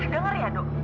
dengar ya do